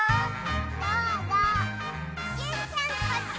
どうぞジュンちゃんこっち！